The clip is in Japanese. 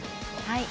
はい。